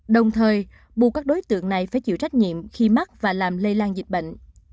đồng thời buộc các đối tượng này phải chịu trách nhiệm khi mắc và làm lây lan dịch bệnh